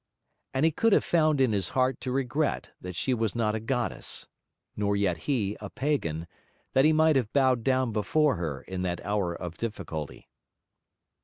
And he could have found in his heart to regret that she was not a goddess, nor yet he a pagan, that he might have bowed down before her in that hour of difficulty.